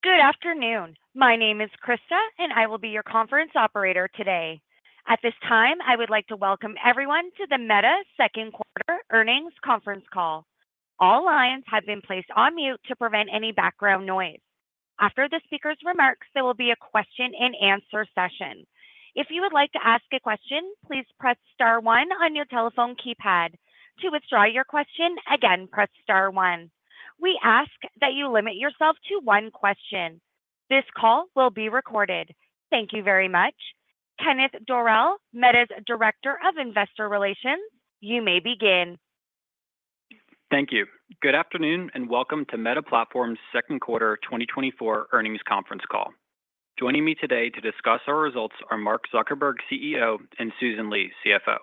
Good afternoon. My name is Krista, and I will be your conference operator today. At this time, I would like to welcome everyone to the Meta Second Quarter Earnings Conference Call. All lines have been placed on mute to prevent any background noise. After the speaker's remarks, there will be a question-and-answer session. If you would like to ask a question, please press star one on your telephone keypad. To withdraw your question, again, press star one. We ask that you limit yourself to one question. This call will be recorded. Thank you very much. Kenneth Dorell, Meta's Director of Investor Relations, you may begin. Thank you. Good afternoon and welcome to Meta Platforms' Second Quarter 2024 Earnings Conference Call. Joining me today to discuss our results are Mark Zuckerberg, CEO, and Susan Li, CFO.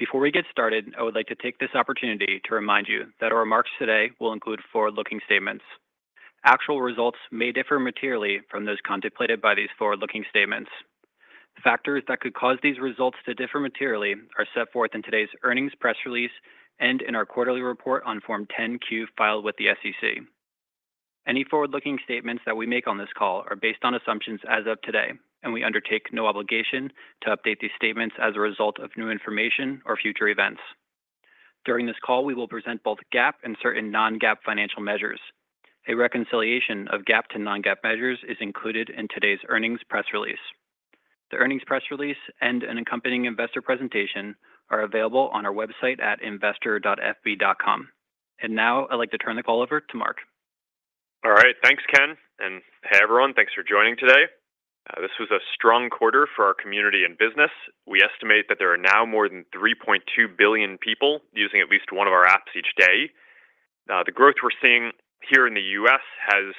Before we get started, I would like to take this opportunity to remind you that our remarks today will include forward-looking statements. Actual results may differ materially from those contemplated by these forward-looking statements. Factors that could cause these results to differ materially are set forth in today's earnings press release and in our quarterly report on Form 10-Q filed with the SEC. Any forward-looking statements that we make on this call are based on assumptions as of today, and we undertake no obligation to update these statements as a result of new information or future events. During this call, we will present both GAAP and certain non-GAAP financial measures. A reconciliation of GAAP to non-GAAP measures is included in today's earnings press release. The earnings press release and an accompanying investor presentation are available on our website at investor.fb.com. And now, I'd like to turn the call over to Mark. All right. Thanks, Ken. And hey, everyone, thanks for joining today. This was a strong quarter for our community and business. We estimate that there are now more than 3.2 billion people using at least one of our apps each day. The growth we're seeing here in the U.S. has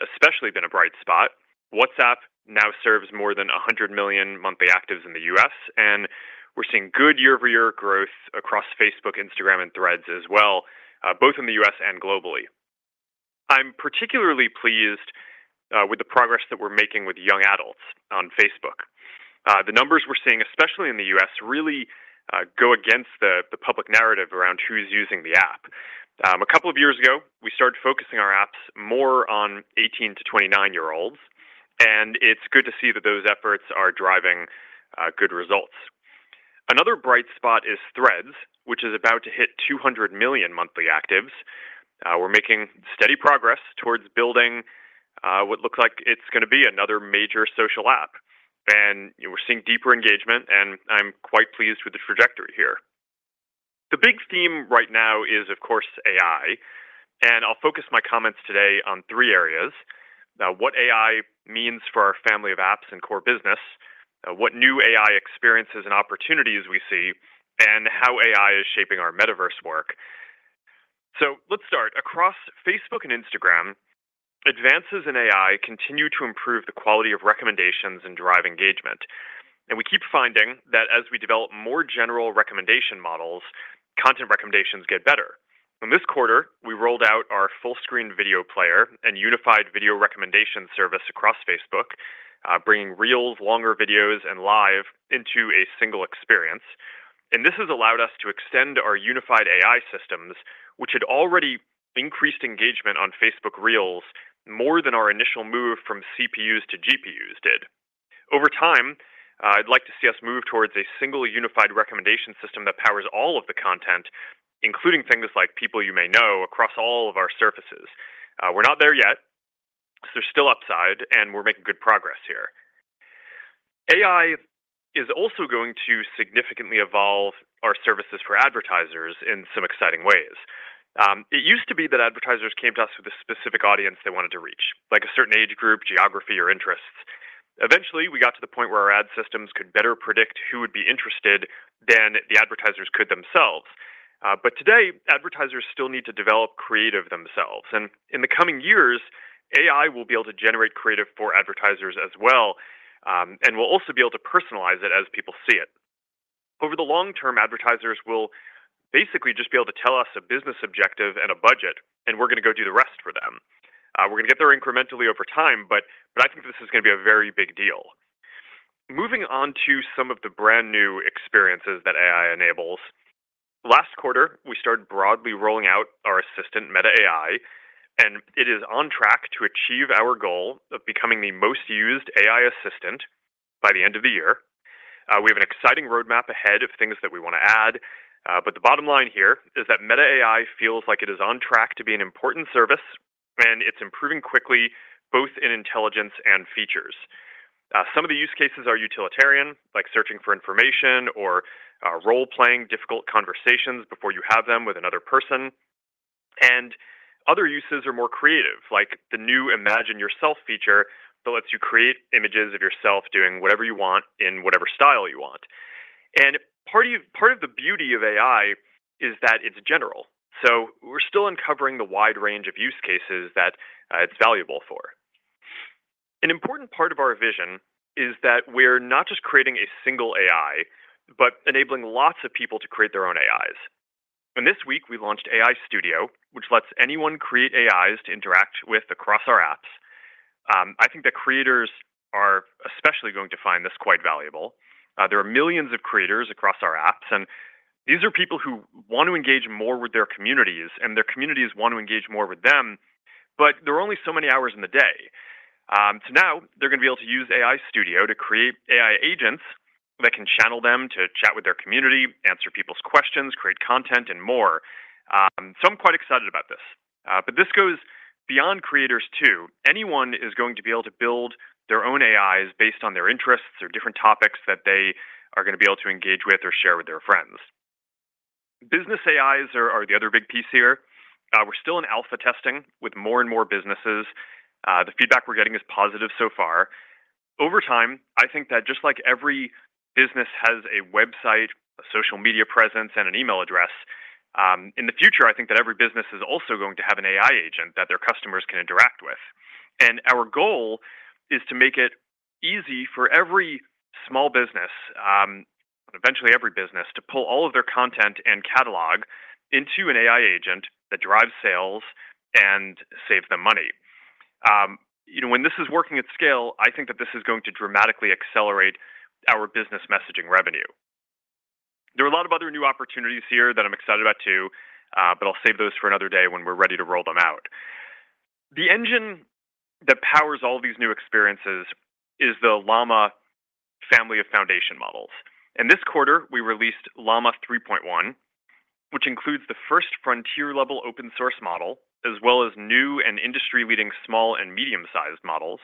especially been a bright spot. WhatsApp now serves more than 100 million monthly actives in the U.S., and we're seeing good year-over-year growth across Facebook, Instagram, and Threads as well, both in the U.S. and globally. I'm particularly pleased with the progress that we're making with young adults on Facebook. The numbers we're seeing, especially in the U.S., really go against the public narrative around who's using the app. A couple of years ago, we started focusing our apps more on 18-29-year-olds, and it's good to see that those efforts are driving good results. Another bright spot is Threads, which is about to hit 200 million monthly actives. We're making steady progress towards building what looks like it's going to be another major social app. We're seeing deeper engagement, and I'm quite pleased with the trajectory here. The big theme right now is, of course, AI. I'll focus my comments today on three areas: what AI means for our Family of Apps and core business, what new AI experiences and opportunities we see, and how AI is shaping our Metaverse work. Let's start. Across Facebook and Instagram, advances in AI continue to improve the quality of recommendations and drive engagement. We keep finding that as we develop more general recommendation models, content recommendations get better. In this quarter, we rolled out our full-screen video player and unified video recommendation service across Facebook, bringing Reels, longer videos, and Live into a single experience. This has allowed us to extend our unified AI systems, which had already increased engagement on Facebook Reels more than our initial move from CPUs to GPUs did. Over time, I'd like to see us move towards a single unified recommendation system that powers all of the content, including things like people you may know, across all of our services. We're not there yet, so there's still upside, and we're making good progress here. AI is also going to significantly evolve our services for advertisers in some exciting ways. It used to be that advertisers came to us with a specific audience they wanted to reach, like a certain age group, geography, or interests. Eventually, we got to the point where our ad systems could better predict who would be interested than the advertisers could themselves. But today, advertisers still need to develop creative themselves. And in the coming years, AI will be able to generate creative for advertisers as well and will also be able to personalize it as people see it. Over the long term, advertisers will basically just be able to tell us a business objective and a budget, and we're going to go do the rest for them. We're going to get there incrementally over time, but I think this is going to be a very big deal. Moving on to some of the brand new experiences that AI enables. Last quarter, we started broadly rolling out our assistant, Meta AI, and it is on track to achieve our goal of becoming the most used AI assistant by the end of the year. We have an exciting roadmap ahead of things that we want to add. But the bottom line here is that Meta AI feels like it is on track to be an important service, and it's improving quickly, both in intelligence and features. Some of the use cases are utilitarian, like searching for information or role-playing difficult conversations before you have them with another person. And other uses are more creative, like the new Imagine Yourself feature that lets you create images of yourself doing whatever you want in whatever style you want. And part of the beauty of AI is that it's general. So we're still uncovering the wide range of use cases that it's valuable for. An important part of our vision is that we're not just creating a single AI, but enabling lots of people to create their own AIs. And this week, we launched AI Studio, which lets anyone create AIs to interact with across our apps. I think that creators are especially going to find this quite valuable. There are millions of creators across our apps, and these are people who want to engage more with their communities, and their communities want to engage more with them, but there are only so many hours in the day. So now they're going to be able to use AI Studio to create AI agents that can channel them to chat with their community, answer people's questions, create content, and more. So I'm quite excited about this. But this goes beyond creators too. Anyone is going to be able to build their own AIs based on their interests or different topics that they are going to be able to engage with or share with their friends. Business AIs are the other big piece here. We're still in alpha testing with more and more businesses. The feedback we're getting is positive so far. Over time, I think that just like every business has a website, a social media presence, and an email address, in the future, I think that every business is also going to have an AI agent that their customers can interact with. And our goal is to make it easy for every small business, eventually every business, to pull all of their content and catalog into an AI agent that drives sales and saves them money. When this is working at scale, I think that this is going to dramatically accelerate our business messaging revenue. There are a lot of other new opportunities here that I'm excited about too, but I'll save those for another day when we're ready to roll them out. The engine that powers all these new experiences is the Llama family of foundation models. And this quarter, we released Llama 3.1, which includes the first frontier-level open-source model, as well as new and industry-leading small and medium-sized models.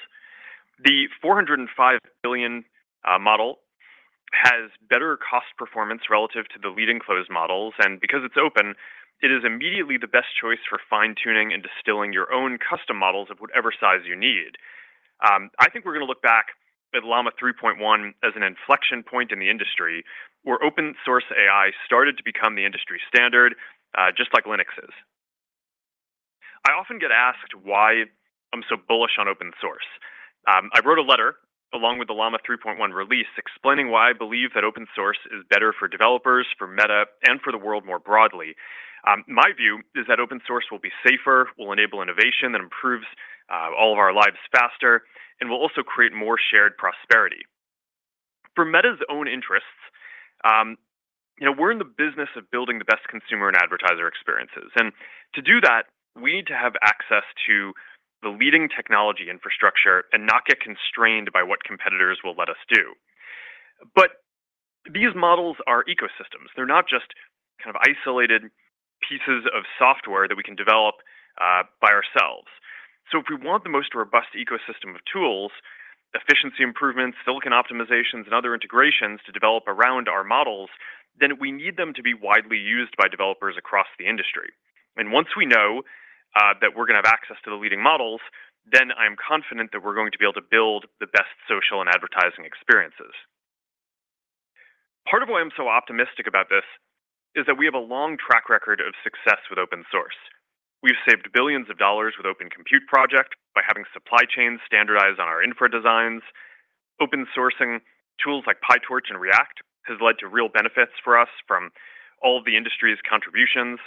The 405 billion model has better cost performance relative to the leading closed models. And because it's open, it is immediately the best choice for fine-tuning and distilling your own custom models of whatever size you need. I think we're going to look back at Llama 3.1 as an inflection point in the industry, where open-source AI started to become the industry standard, just like Linux is. I often get asked why I'm so bullish on open source. I wrote a letter along with the Llama 3.1 release explaining why I believe that open source is better for developers, for Meta, and for the world more broadly. My view is that open source will be safer, will enable innovation, and improves all of our lives faster, and will also create more shared prosperity. For Meta's own interests, we're in the business of building the best consumer and advertiser experiences. And to do that, we need to have access to the leading technology infrastructure and not get constrained by what competitors will let us do. But these models are ecosystems. They're not just kind of isolated pieces of software that we can develop by ourselves. So if we want the most robust ecosystem of tools, efficiency improvements, silicon optimizations, and other integrations to develop around our models, then we need them to be widely used by developers across the industry. And once we know that we're going to have access to the leading models, then I'm confident that we're going to be able to build the best social and advertising experiences. Part of why I'm so optimistic about this is that we have a long track record of success with open source. We've saved billions of dollars with Open Compute Project by having supply chains standardized on our infra designs. Open sourcing tools like PyTorch and React has led to real benefits for us from all of the industry's contributions.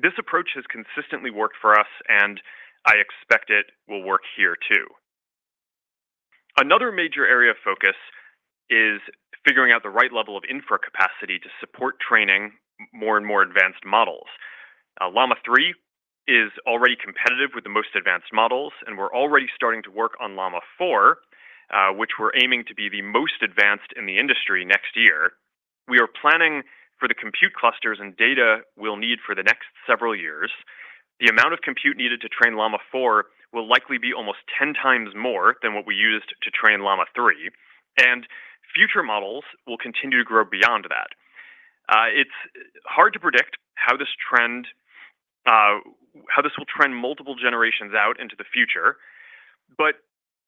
This approach has consistently worked for us, and I expect it will work here too. Another major area of focus is figuring out the right level of infra capacity to support training more and more advanced models. Llama 3 is already competitive with the most advanced models, and we're already starting to work on Llama 4, which we're aiming to be the most advanced in the industry next year. We are planning for the compute clusters and data we'll need for the next several years. The amount of compute needed to train Llama 4 will likely be almost 10x more than what we used to train Llama 3, and future models will continue to grow beyond that. It's hard to predict how this will trend multiple generations out into the future, but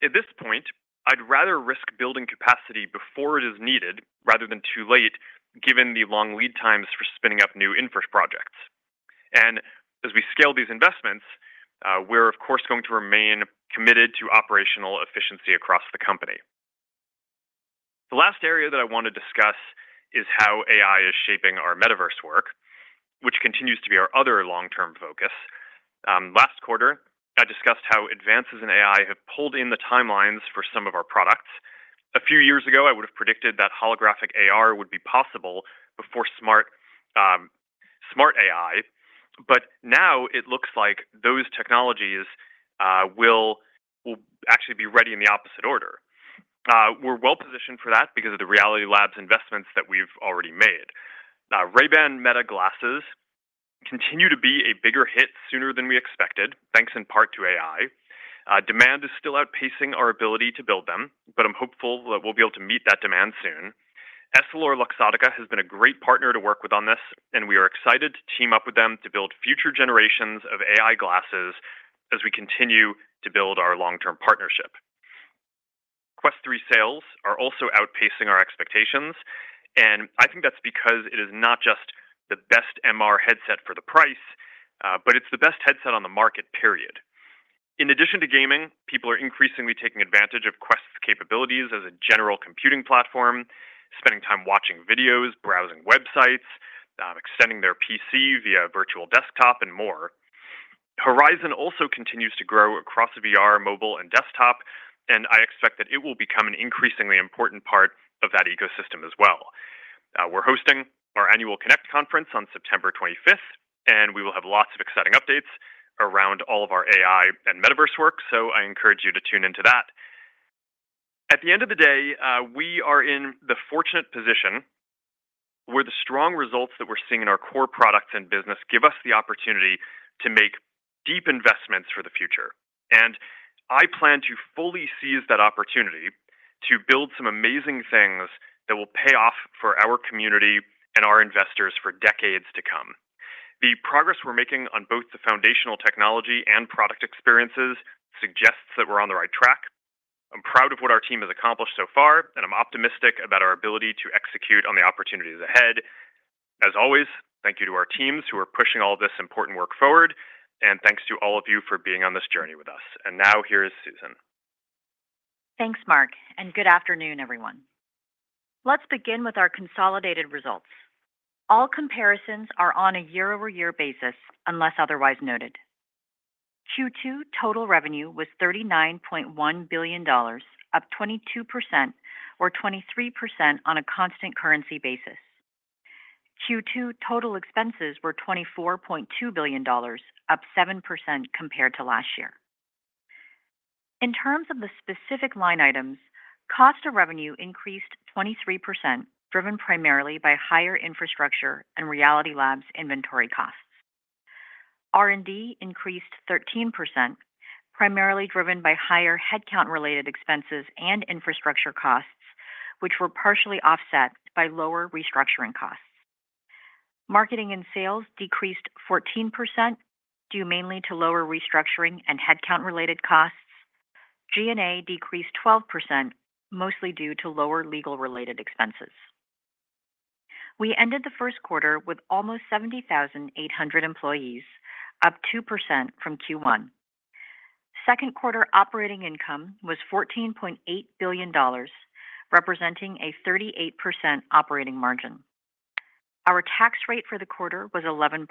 at this point, I'd rather risk building capacity before it is needed rather than too late, given the long lead times for spinning up new infrastructure projects. As we scale these investments, we're, of course, going to remain committed to operational efficiency across the company. The last area that I want to discuss is how AI is shaping our Metaverse work, which continues to be our other long-term focus. Last quarter, I discussed how advances in AI have pulled in the timelines for some of our products. A few years ago, I would have predicted that Holographic AR would be possible before smart AI, but now it looks like those technologies will actually be ready in the opposite order. We're well positioned for that because of the Reality Labs investments that we've already made. Ray-Ban Meta glasses continue to be a bigger hit sooner than we expected, thanks in part to AI. Demand is still outpacing our ability to build them, but I'm hopeful that we'll be able to meet that demand soon. EssilorLuxottica has been a great partner to work with on this, and we are excited to team up with them to build future generations of AI glasses as we continue to build our long-term partnership. Quest 3 sales are also outpacing our expectations, and I think that's because it is not just the best MR headset for the price, but it's the best headset on the market, period. In addition to gaming, people are increasingly taking advantage of Quest's capabilities as a general computing platform, spending time watching videos, browsing websites, extending their PC via virtual desktop, and more. Horizon also continues to grow across VR, mobile, and desktop, and I expect that it will become an increasingly important part of that ecosystem as well. We're hosting our annual Connect Conference on September 25th, and we will have lots of exciting updates around all of our AI and metaverse work, so I encourage you to tune into that. At the end of the day, we are in the fortunate position where the strong results that we're seeing in our core products and business give us the opportunity to make deep investments for the future. And I plan to fully seize that opportunity to build some amazing things that will pay off for our community and our investors for decades to come. The progress we're making on both the foundational technology and product experiences suggests that we're on the right track. I'm proud of what our team has accomplished so far, and I'm optimistic about our ability to execute on the opportunities ahead. As always, thank you to our teams who are pushing all this important work forward, and thanks to all of you for being on this journey with us. Now, here is Susan. Thanks, Mark, and good afternoon, everyone. Let's begin with our consolidated results. All comparisons are on a year-over-year basis unless otherwise noted. Q2 total revenue was $39.1 billion, up 22% or 23% on a constant currency basis. Q2 total expenses were $24.2 billion, up 7% compared to last year. In terms of the specific line items, cost of revenue increased 23%, driven primarily by higher infrastructure and Reality Labs inventory costs. R&D increased 13%, primarily driven by higher headcount-related expenses and infrastructure costs, which were partially offset by lower restructuring costs. Marketing and sales decreased 14%, due mainly to lower restructuring and headcount-related costs. G&A decreased 12%, mostly due to lower legal-related expenses. We ended the first quarter with almost 70,800 employees, up 2% from Q1. Second quarter operating income was $14.8 billion, representing a 38% operating margin. Our tax rate for the quarter was 11%.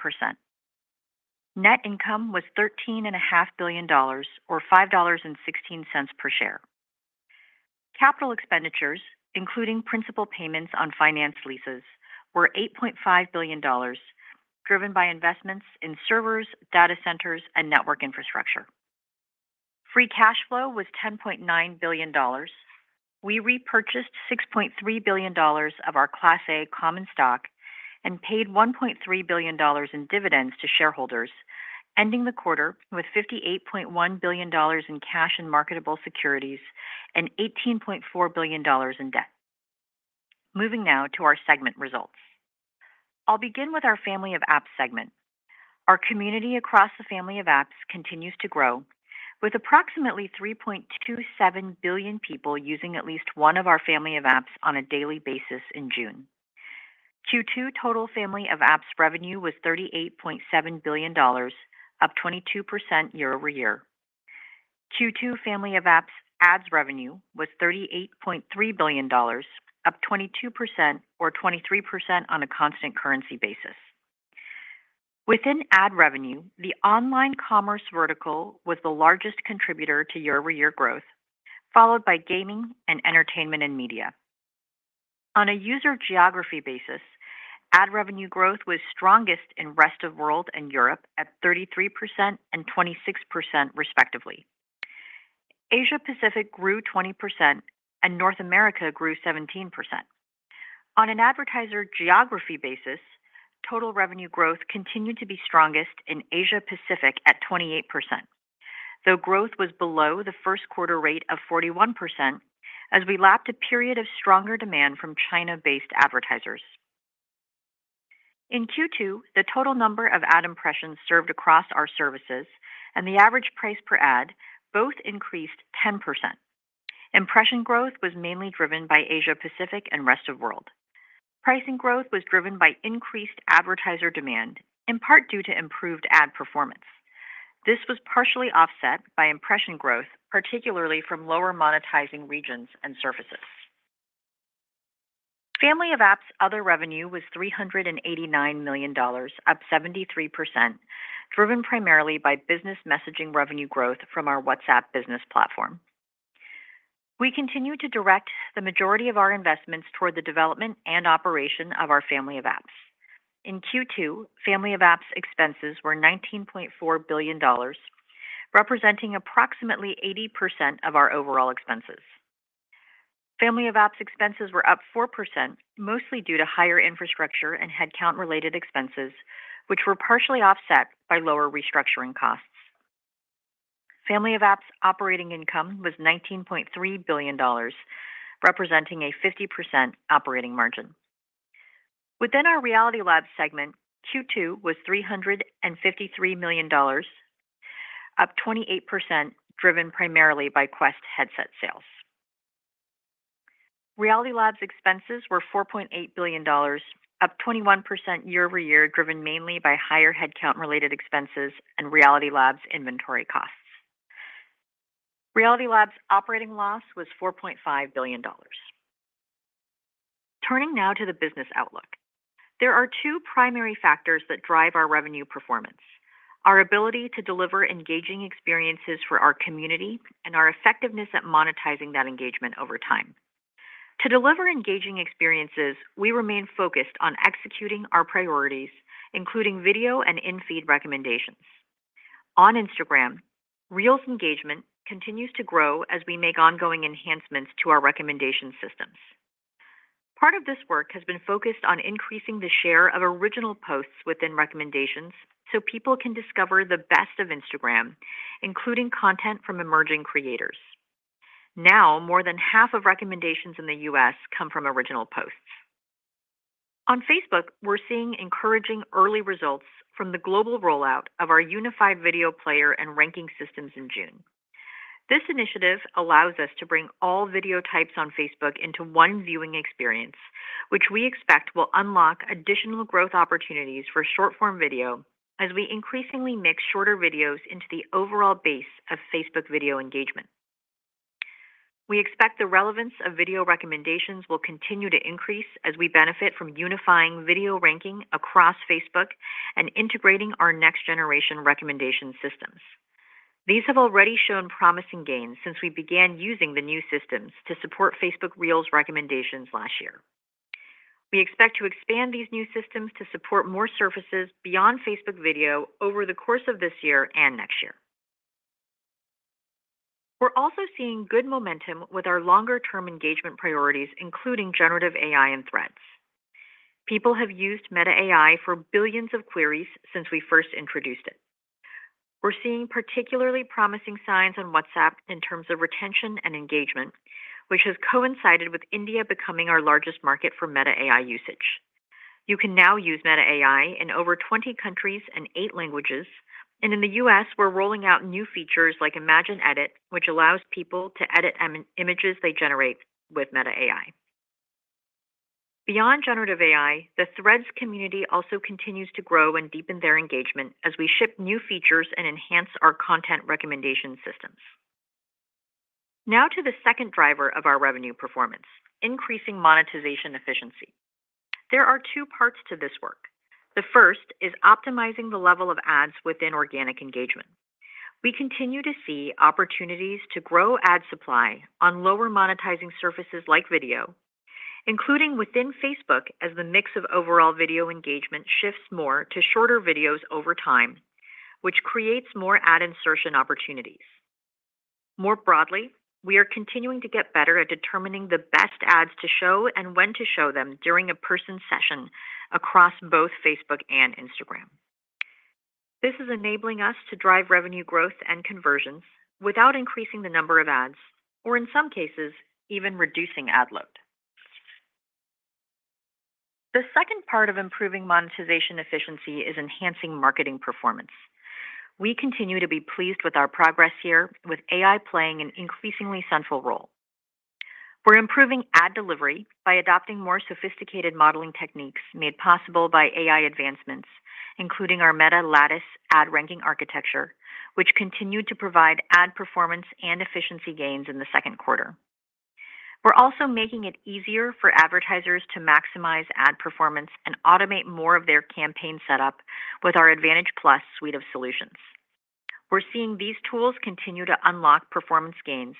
Net income was $13.5 billion, or $5.16 per share. Capital expenditures, including principal payments on financed leases, were $8.5 billion, driven by investments in servers, data centers, and network infrastructure. Free cash flow was $10.9 billion. We repurchased $6.3 billion of our Class A common stock and paid $1.3 billion in dividends to shareholders, ending the quarter with $58.1 billion in cash and marketable securities and $18.4 billion in debt. Moving now to our segment results. I'll begin with our Family of Apps segment. Our community across the Family of Apps continues to grow, with approximately 3.27 billion people using at least one of our Family of Apps on a daily basis in June. Q2 total Family of Apps revenue was $38.7 billion, up 22% year-over-year. Q2 Family of Apps ads revenue was $38.3 billion, up 22% or 23% on a constant currency basis. Within ad revenue, the online commerce vertical was the largest contributor to year-over-year growth, followed by gaming and entertainment and media. On a user geography basis, ad revenue growth was strongest in Rest of World and Europe at 33% and 26%, respectively. Asia-Pacific grew 20%, and North America grew 17%. On an advertiser geography basis, total revenue growth continued to be strongest in Asia-Pacific at 28%, though growth was below the first quarter rate of 41% as we lapped a period of stronger demand from China-based advertisers. In Q2, the total number of ad impressions served across our services and the average price per ad both increased 10%. Impression growth was mainly driven by Asia-Pacific and Rest of World. Pricing growth was driven by increased advertiser demand, in part due to improved ad performance. This was partially offset by impression growth, particularly from lower monetizing regions and services. Family of Apps other revenue was $389 million, up 73%, driven primarily by business messaging revenue growth from our WhatsApp business platform. We continue to direct the majority of our investments toward the development and operation of our Family of Apps. In Q2, Family of Apps expenses were $19.4 billion, representing approximately 80% of our overall expenses. Family of Apps expenses were up 4%, mostly due to higher infrastructure and headcount-related expenses, which were partially offset by lower restructuring costs. Family of Apps operating income was $19.3 billion, representing a 50% operating margin. Within our Reality Labs segment, Q2 was $353 million, up 28%, driven primarily by Quest headset sales. Reality Labs expenses were $4.8 billion, up 21% year-over-year, driven mainly by higher headcount-related expenses and Reality Labs inventory costs. Reality Labs operating loss was $4.5 billion. Turning now to the business outlook, there are two primary factors that drive our revenue performance: our ability to deliver engaging experiences for our community and our effectiveness at monetizing that engagement over time. To deliver engaging experiences, we remain focused on executing our priorities, including video and in-feed recommendations. On Instagram, Reels engagement continues to grow as we make ongoing enhancements to our recommendation systems. Part of this work has been focused on increasing the share of original posts within recommendations so people can discover the best of Instagram, including content from emerging creators. Now, more than half of recommendations in the U.S. come from original posts. On Facebook, we're seeing encouraging early results from the global rollout of our unified video player and ranking systems in June. This initiative allows us to bring all video types on Facebook into one viewing experience, which we expect will unlock additional growth opportunities for short-form video as we increasingly mix shorter videos into the overall base of Facebook video engagement. We expect the relevance of video recommendations will continue to increase as we benefit from unifying video ranking across Facebook and integrating our next-generation recommendation systems. These have already shown promising gains since we began using the new systems to support Facebook Reels recommendations last year. We expect to expand these new systems to support more services beyond Facebook video over the course of this year and next year. We're also seeing good momentum with our longer-term engagement priorities, including generative AI and Threads. People have used Meta AI for billions of queries since we first introduced it. We're seeing particularly promising signs on WhatsApp in terms of retention and engagement, which has coincided with India becoming our largest market for Meta AI usage. You can now use Meta AI in over 20 countries and 8 languages, and in the U.S., we're rolling out new features like Imagine Edit, which allows people to edit images they generate with Meta AI. Beyond generative AI, the Threads community also continues to grow and deepen their engagement as we ship new features and enhance our content recommendation systems. Now to the second driver of our revenue performance: increasing monetization efficiency. There are two parts to this work. The first is optimizing the level of ads within organic engagement. We continue to see opportunities to grow ad supply on lower monetizing services like video, including within Facebook as the mix of overall video engagement shifts more to shorter videos over time, which creates more ad insertion opportunities. More broadly, we are continuing to get better at determining the best ads to show and when to show them during a person's session across both Facebook and Instagram. This is enabling us to drive revenue growth and conversions without increasing the number of ads or, in some cases, even reducing ad load. The second part of improving monetization efficiency is enhancing marketing performance. We continue to be pleased with our progress here, with AI playing an increasingly central role. We're improving ad delivery by adopting more sophisticated modeling techniques made possible by AI advancements, including our Meta Lattice ad ranking architecture, which continued to provide ad performance and efficiency gains in the second quarter. We're also making it easier for advertisers to maximize ad performance and automate more of their campaign setup with our Advantage+ suite of solutions. We're seeing these tools continue to unlock performance gains,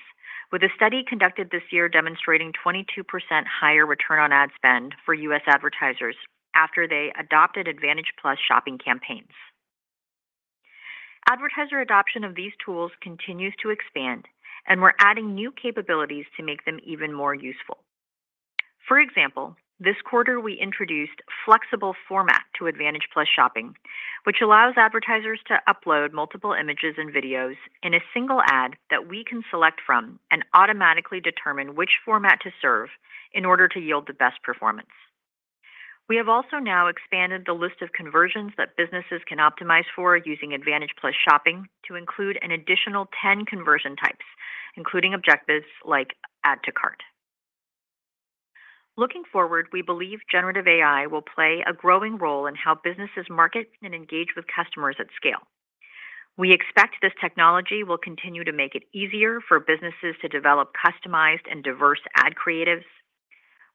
with a study conducted this year demonstrating 22% higher return on ad spend for U.S. advertisers after they adopted Advantage+ shopping campaigns. Advertiser adoption of these tools continues to expand, and we're adding new capabilities to make them even more useful. For example, this quarter, we introduced Flexible Format to Advantage+ shopping, which allows advertisers to upload multiple images and videos in a single ad that we can select from and automatically determine which format to serve in order to yield the best performance. We have also now expanded the list of conversions that businesses can optimize for using Advantage+ shopping to include an additional 10 conversion types, including objectives like Add to Cart. Looking forward, we believe generative AI will play a growing role in how businesses market and engage with customers at scale. We expect this technology will continue to make it easier for businesses to develop customized and diverse ad creatives.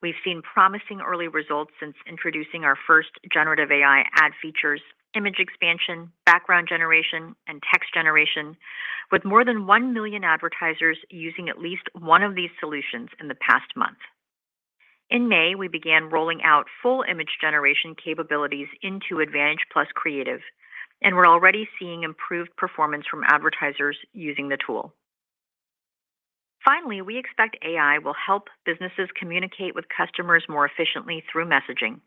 We've seen promising early results since introducing our first generative AI ad features, image expansion, background generation, and text generation, with more than 1 million advertisers using at least one of these solutions in the past month. In May, we began rolling out full image generation capabilities into Advantage+ Creative, and we're already seeing improved performance from advertisers using the tool. Finally, we expect AI will help businesses communicate with customers more efficiently through messaging.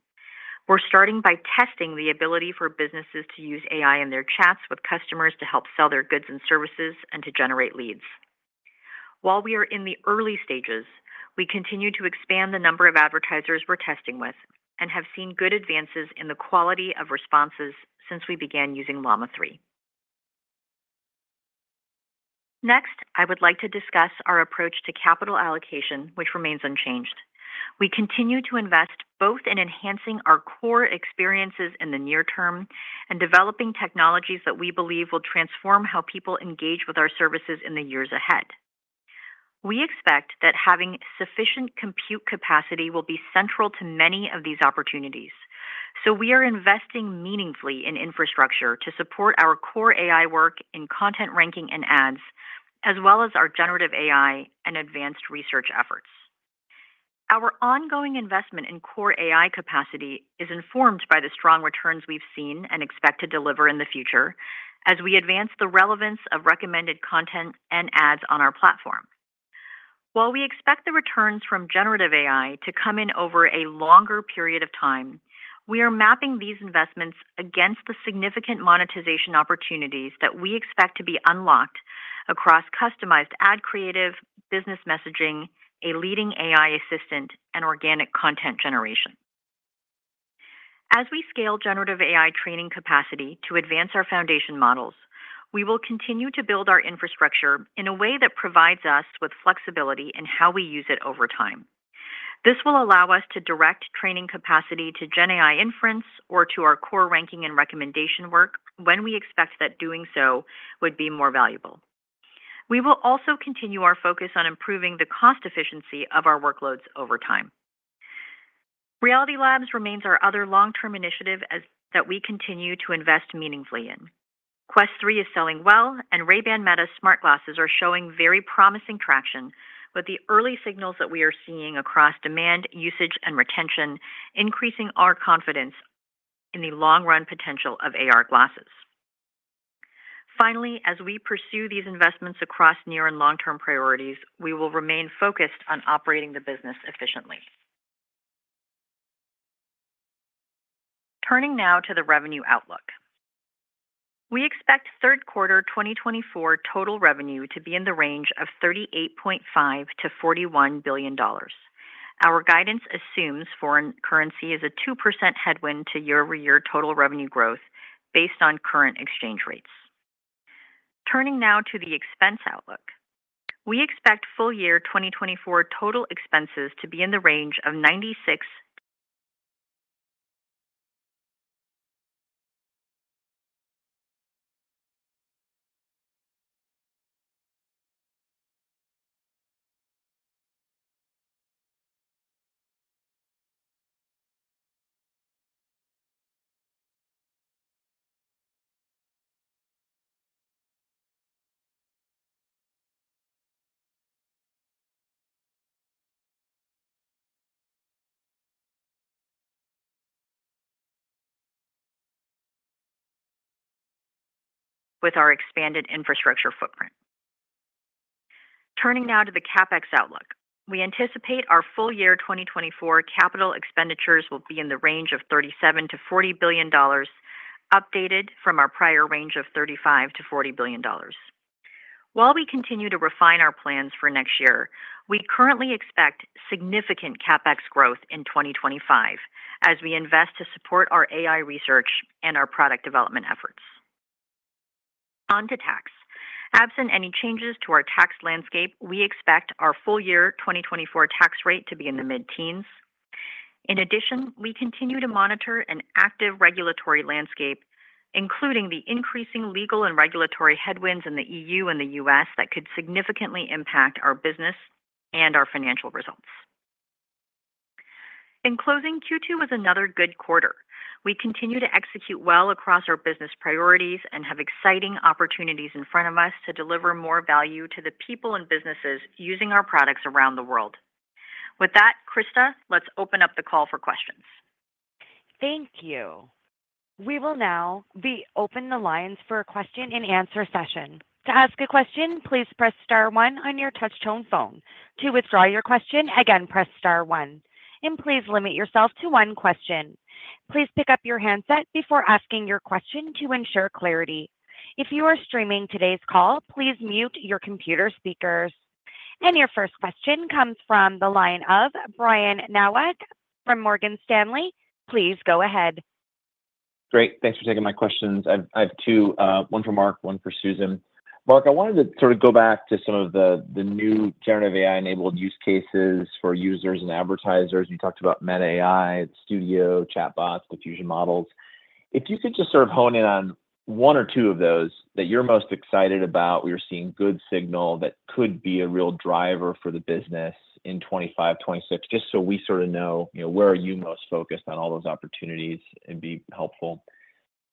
We're starting by testing the ability for businesses to use AI in their chats with customers to help sell their goods and services and to generate leads. While we are in the early stages, we continue to expand the number of advertisers we're testing with and have seen good advances in the quality of responses since we began using Llama 3. Next, I would like to discuss our approach to capital allocation, which remains unchanged. We continue to invest both in enhancing our core experiences in the near term and developing technologies that we believe will transform how people engage with our services in the years ahead. We expect that having sufficient compute capacity will be central to many of these opportunities, so we are investing meaningfully in infrastructure to support our core AI work in content ranking and ads, as well as our generative AI and advanced research efforts. Our ongoing investment in core AI capacity is informed by the strong returns we've seen and expect to deliver in the future as we advance the relevance of recommended content and ads on our platform. While we expect the returns from generative AI to come in over a longer period of time, we are mapping these investments against the significant monetization opportunities that we expect to be unlocked across customized ad creative, business messaging, a leading AI assistant, and organic content generation. As we scale generative AI training capacity to advance our foundation models, we will continue to build our infrastructure in a way that provides us with flexibility in how we use it over time. This will allow us to direct training capacity to GenAI inference or to our core ranking and recommendation work when we expect that doing so would be more valuable. We will also continue our focus on improving the cost efficiency of our workloads over time. Reality Labs remains our other long-term initiative that we continue to invest meaningfully in. Quest 3 is selling well, and Ray-Ban Meta smart glasses are showing very promising traction with the early signals that we are seeing across demand, usage, and retention, increasing our confidence in the long-run potential of AR glasses. Finally, as we pursue these investments across near and long-term priorities, we will remain focused on operating the business efficiently. Turning now to the revenue outlook, we expect third quarter 2024 total revenue to be in the range of $38.5 billion-$41 billion. Our guidance assumes foreign currency is a 2% headwind to year-over-year total revenue growth based on current exchange rates. Turning now to the expense outlook, we expect full year 2024 total expenses to be in the range of $96 billion-$99 billion. With our expanded infrastructure footprint. Turning now to the CapEx outlook, we anticipate our full year 2024 capital expenditures will be in the range of $37 billion-$40 billion, updated from our prior range of $35 billion-$40 billion. While we continue to refine our plans for next year, we currently expect significant CapEx growth in 2025 as we invest to support our AI research and our product development efforts. On to tax. Absent any changes to our tax landscape, we expect our full year 2024 tax rate to be in the mid-teens. In addition, we continue to monitor an active regulatory landscape, including the increasing legal and regulatory headwinds in the EU and the U.S. that could significantly impact our business and our financial results. In closing, Q2 was another good quarter. We continue to execute well across our business priorities and have exciting opportunities in front of us to deliver more value to the people and businesses using our products around the world. With that, Krista, let's open up the call for questions. Thank you. We will now be opening the lines for a question-and-answer session. To ask a question, please press star one on your touch-tone phone. To withdraw your question, again, press star one. And please limit yourself to one question. Please pick up your handset before asking your question to ensure clarity. If you are streaming today's call, please mute your computer speakers. And your first question comes from the line of Brian Nowak from Morgan Stanley. Please go ahead. Great. Thanks for taking my questions. I have two. One for Mark, one for Susan. Mark, I wanted to sort of go back to some of the new generative AI-enabled use cases for users and advertisers. You talked about Meta AI, the Studio, chatbots, diffusion models. If you could just sort of hone in on one or two of those that you're most excited about, we are seeing good signal that could be a real driver for the business in 2025, 2026, just so we sort of know where are you most focused on all those opportunities and be helpful.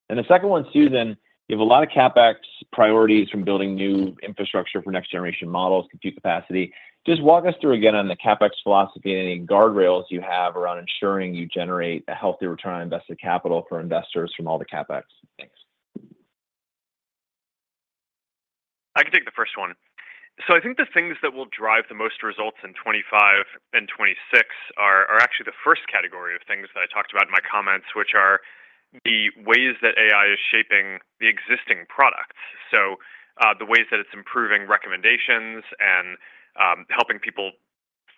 And the second one, Susan, you have a lot of CapEx priorities from building new infrastructure for next-generation models, compute capacity. Just walk us through again on the CapEx philosophy and any guardrails you have around ensuring you generate a healthy return on invested capital for investors from all the CapEx. Thanks. I can take the first one. I think the things that will drive the most results in 2025 and 2026 are actually the first category of things that I talked about in my comments, which are the ways that AI is shaping the existing products. The ways that it's improving recommendations and helping people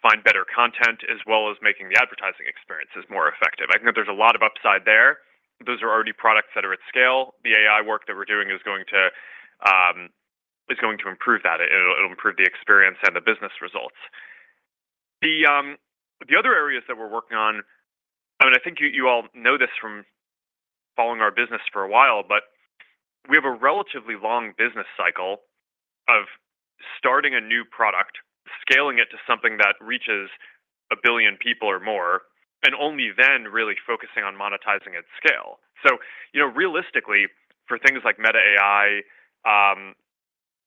find better content, as well as making the advertising experiences more effective. I think that there's a lot of upside there. Those are already products that are at scale. The AI work that we're doing is going to improve that. It'll improve the experience and the business results. The other areas that we're working on, I mean, I think you all know this from following our business for a while, but we have a relatively long business cycle of starting a new product, scaling it to something that reaches a billion people or more, and only then really focusing on monetizing at scale. So realistically, for things like Meta AI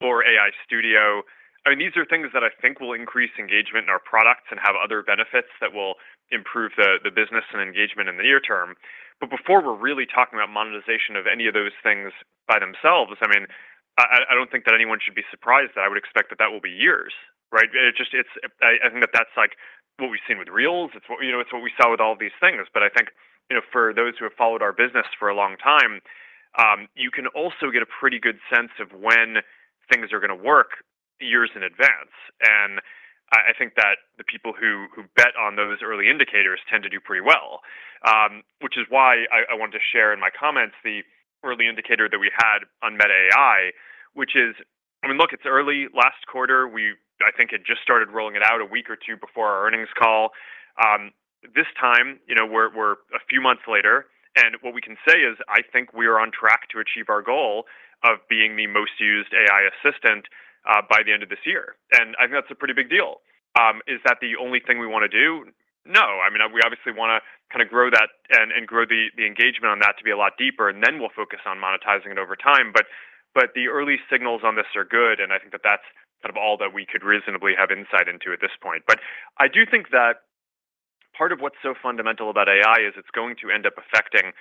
or AI Studio, I mean, these are things that I think will increase engagement in our products and have other benefits that will improve the business and engagement in the near term. But before we're really talking about monetization of any of those things by themselves, I mean, I don't think that anyone should be surprised that I would expect that that will be years, right? I think that that's like what we've seen with Reels. It's what we saw with all these things. But I think for those who have followed our business for a long time, you can also get a pretty good sense of when things are going to work years in advance. And I think that the people who bet on those early indicators tend to do pretty well, which is why I wanted to share in my comments the early indicator that we had on Meta AI, which is, I mean, look, it's early last quarter. I think it just started rolling it out a week or two before our earnings call. This time, we're a few months later. And what we can say is I think we are on track to achieve our goal of being the most used AI assistant by the end of this year. And I think that's a pretty big deal. Is that the only thing we want to do? No. I mean, we obviously want to kind of grow that and grow the engagement on that to be a lot deeper, and then we'll focus on monetizing it over time. But the early signals on this are good, and I think that that's kind of all that we could reasonably have insight into at this point. But I do think that part of what's so fundamental about AI is it's going to end up affecting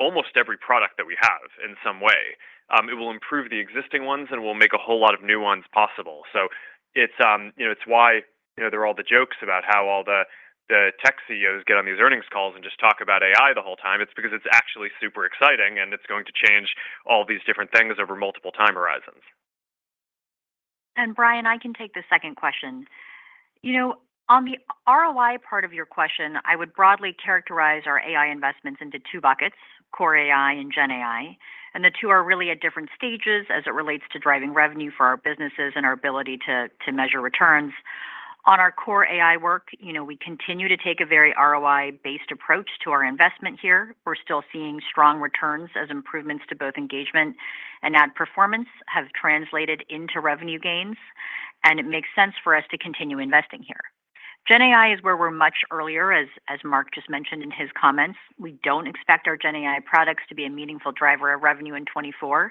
almost every product that we have in some way. It will improve the existing ones and will make a whole lot of new ones possible. So it's why there are all the jokes about how all the tech CEOs get on these earnings calls and just talk about AI the whole time. It's because it's actually super exciting, and it's going to change all these different things over multiple time horizons. Brian, I can take the second question. On the ROI part of your question, I would broadly characterize our AI investments into two buckets, core AI and GenAI. The two are really at different stages as it relates to driving revenue for our businesses and our ability to measure returns. On our core AI work, we continue to take a very ROI-based approach to our investment here. We're still seeing strong returns as improvements to both engagement and ad performance have translated into revenue gains, and it makes sense for us to continue investing here. GenAI is where we're much earlier, as Mark just mentioned in his comments. We don't expect our GenAI products to be a meaningful driver of revenue in 2024,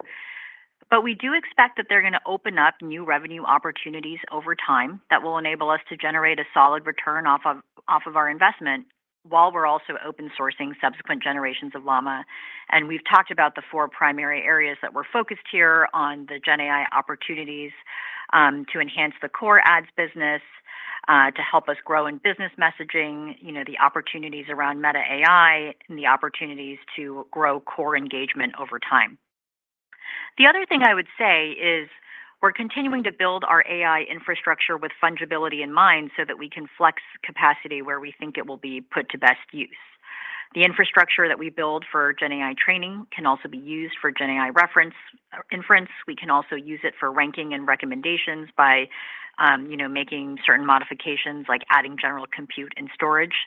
but we do expect that they're going to open up new revenue opportunities over time that will enable us to generate a solid return off of our investment while we're also open-sourcing subsequent generations of Llama. And we've talked about the four primary areas that we're focused here on the GenAI opportunities to enhance the core ads business, to help us grow in business messaging, the opportunities around Meta AI, and the opportunities to grow core engagement over time. The other thing I would say is we're continuing to build our AI infrastructure with fungibility in mind so that we can flex capacity where we think it will be put to best use. The infrastructure that we build for GenAI training can also be used for GenAI inference. We can also use it for ranking and recommendations by making certain modifications, like adding general compute and storage.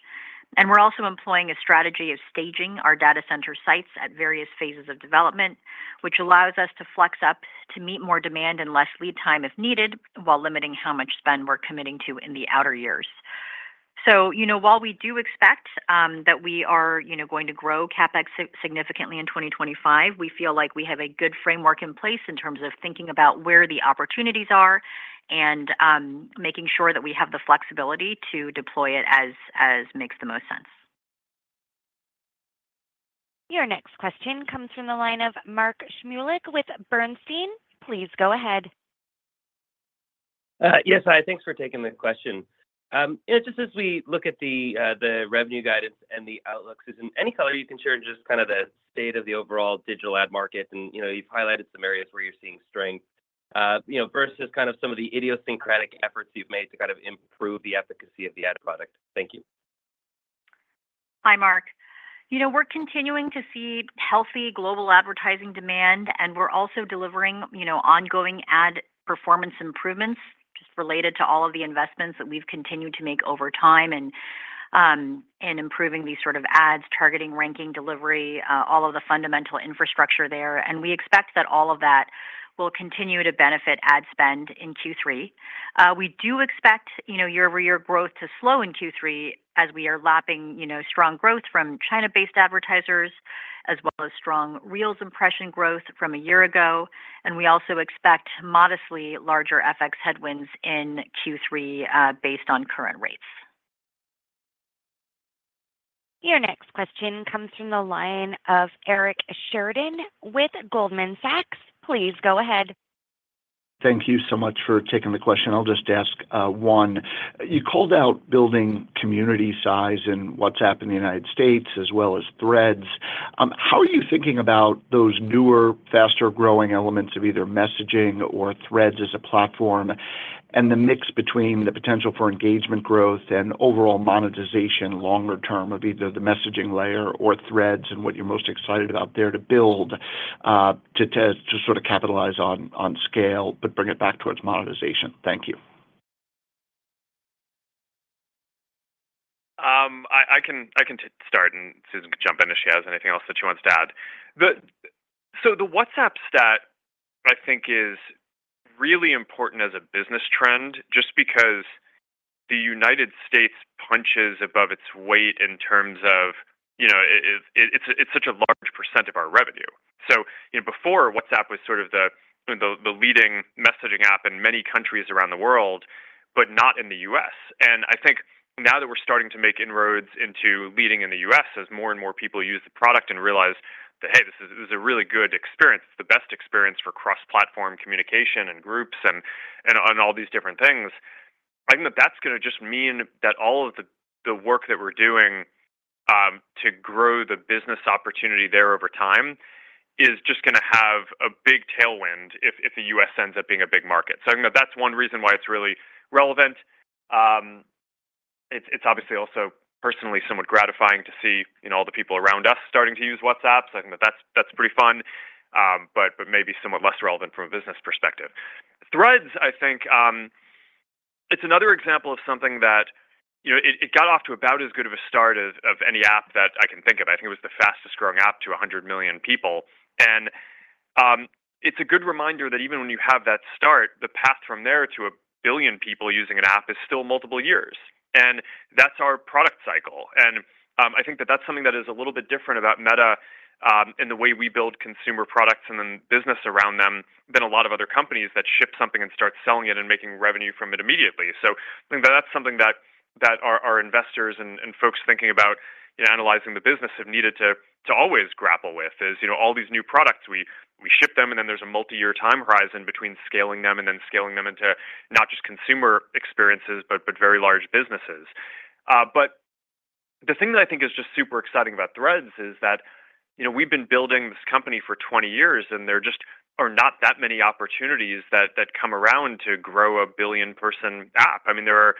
We're also employing a strategy of staging our data center sites at various phases of development, which allows us to flex up to meet more demand and less lead time if needed while limiting how much spend we're committing to in the outer years. While we do expect that we are going to grow CapEx significantly in 2025, we feel like we have a good framework in place in terms of thinking about where the opportunities are and making sure that we have the flexibility to deploy it as makes the most sense. Your next question comes from the line of Mark Shmulik with Bernstein. Please go ahead. Yes, hi. Thanks for taking the question. Just as we look at the revenue guidance and the outlook, Susan, any color you can share in just kind of the state of the overall digital ad market, and you've highlighted some areas where you're seeing strength versus kind of some of the idiosyncratic efforts you've made to kind of improve the efficacy of the ad product. Thank you. Hi, Mark. We're continuing to see healthy global advertising demand, and we're also delivering ongoing ad performance improvements just related to all of the investments that we've continued to make over time and improving these sort of ads, targeting, ranking, delivery, all of the fundamental infrastructure there. We expect that all of that will continue to benefit ad spend in Q3. We do expect year-over-year growth to slow in Q3 as we are lapping strong growth from China-based advertisers as well as strong Reels impression growth from a year ago. We also expect modestly larger FX headwinds in Q3 based on current rates. Your next question comes from the line of Eric Sheridan with Goldman Sachs. Please go ahead. Thank you so much for taking the question. I'll just ask one. You called out building community size in WhatsApp in the United States as well as Threads. How are you thinking about those newer, faster-growing elements of either messaging or Threads as a platform and the mix between the potential for engagement growth and overall monetization longer term of either the messaging layer or Threads and what you're most excited about there to build to sort of capitalize on scale, but bring it back towards monetization? Thank you. I can start, and Susan can jump in if she has anything else that she wants to add. So the WhatsApp stat, I think, is really important as a business trend just because the United States punches above its weight in terms of it's such a large percentage of our revenue. So before, WhatsApp was sort of the leading messaging app in many countries around the world, but not in the U.S. And I think now that we're starting to make inroads into leading in the U.S. as more and more people use the product and realize that, hey, this is a really good experience. It's the best experience for cross-platform communication and groups and all these different things. I think that that's going to just mean that all of the work that we're doing to grow the business opportunity there over time is just going to have a big tailwind if the U.S. ends up being a big market. So I think that that's one reason why it's really relevant. It's obviously also personally somewhat gratifying to see all the people around us starting to use WhatsApp. So I think that that's pretty fun, but maybe somewhat less relevant from a business perspective. Threads, I think, it's another example of something that it got off to about as good of a start as any app that I can think of. I think it was the fastest-growing app to 100 million people. It's a good reminder that even when you have that start, the path from there to 1 billion people using an app is still multiple years. That's our product cycle. I think that that's something that is a little bit different about Meta in the way we build consumer products and then business around them than a lot of other companies that ship something and start selling it and making revenue from it immediately. I think that that's something that our investors and folks thinking about analyzing the business have needed to always grapple with is all these new products. We ship them, and then there's a multi-year time horizon between scaling them and then scaling them into not just consumer experiences, but very large businesses. The thing that I think is just super exciting about Threads is that we've been building this company for 20 years, and there just are not that many opportunities that come around to grow a billion-person app. I mean, there are,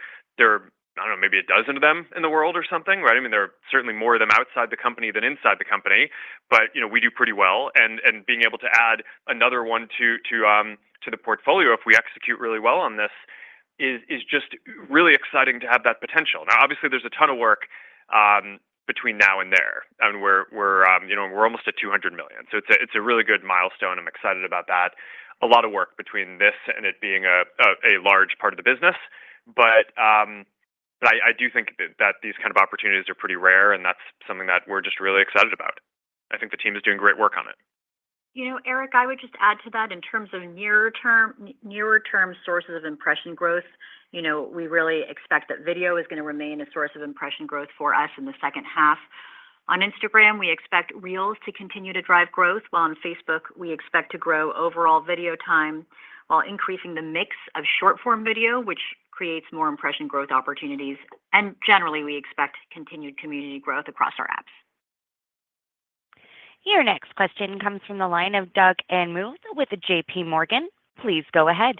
I don't know, maybe 12 of them in the world or something, right? I mean, there are certainly more of them outside the company than inside the company, but we do pretty well. And being able to add another one to the portfolio if we execute really well on this is just really exciting to have that potential. Now, obviously, there's a ton of work between now and there. I mean, we're almost at 200 million. So it's a really good milestone. I'm excited about that. A lot of work between this and it being a large part of the business. But I do think that these kind of opportunities are pretty rare, and that's something that we're just really excited about. I think the team is doing great work on it. Eric, I would just add to that in terms of nearer-term sources of impression growth. We really expect that video is going to remain a source of impression growth for us in the second half. On Instagram, we expect Reels to continue to drive growth, while on Facebook, we expect to grow overall video time while increasing the mix of short-form video, which creates more impression growth opportunities. Generally, we expect continued community growth across our apps. Your next question comes from the line of Doug Anmuth with JPMorgan. Please go ahead.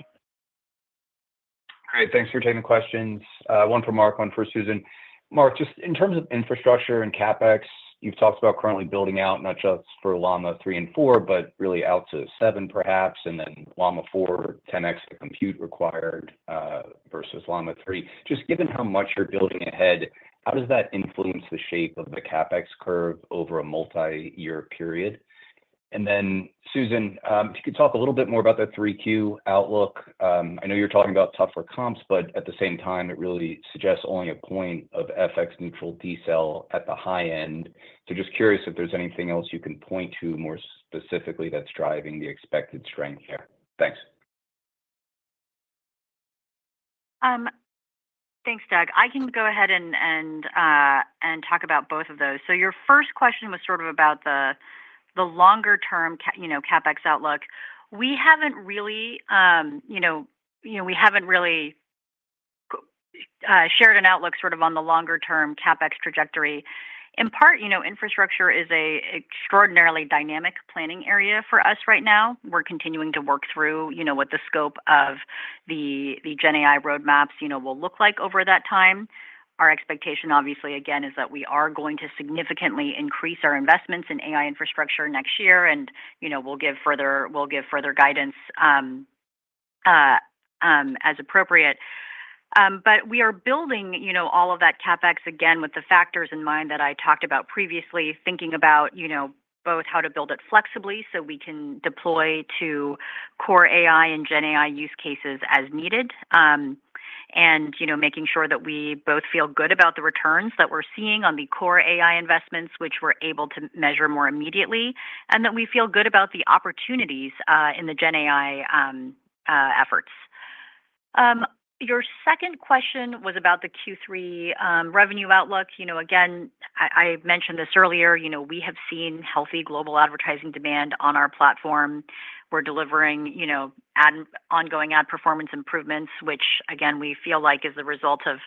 Great. Thanks for taking the questions. One for Mark, one for Susan. Mark, just in terms of infrastructure and CapEx, you've talked about currently building out not just for Llama 3 and 4, but really out to 7, perhaps, and then Llama 4, 10x the compute required versus Llama 3. Just given how much you're building ahead, how does that influence the shape of the CapEx curve over a multi-year period? And then, Susan, if you could talk a little bit more about the 3Q outlook? I know you're talking about tougher comps, but at the same time, it really suggests only a point of FX-neutral decel at the high end. So just curious if there's anything else you can point to more specifically that's driving the expected strength here. Thanks. Thanks, Doug. I can go ahead and talk about both of those. So your first question was sort of about the longer-term CapEx outlook. We haven't really, we haven't really shared an outlook sort of on the longer-term CapEx trajectory. In part, infrastructure is an extraordinarily dynamic planning area for us right now. We're continuing to work through what the scope of the GenAI roadmaps will look like over that time. Our expectation, obviously, again, is that we are going to significantly increase our investments in AI infrastructure next year, and we'll give further guidance as appropriate. But we are building all of that CapEx, again, with the factors in mind that I talked about previously, thinking about both how to build it flexibly so we can deploy to core AI and GenAI use cases as needed, and making sure that we both feel good about the returns that we're seeing on the core AI investments, which we're able to measure more immediately, and that we feel good about the opportunities in the GenAI efforts. Your second question was about the Q3 revenue outlook. Again, I mentioned this earlier. We have seen healthy global advertising demand on our platform. We're delivering ongoing ad performance improvements, which, again, we feel like is the result of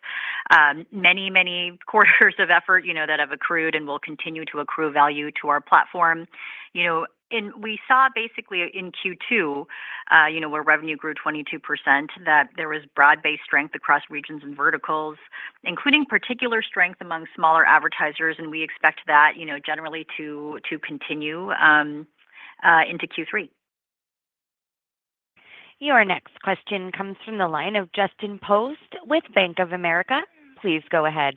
many, many quarters of effort that have accrued and will continue to accrue value to our platform. We saw basically in Q2, where revenue grew 22%, that there was broad-based strength across regions and verticals, including particular strength among smaller advertisers, and we expect that generally to continue into Q3. Your next question comes from the line of Justin Post with Bank of America. Please go ahead.